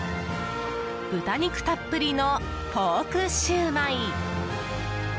豚肉たっぷりのポークシュウマイ。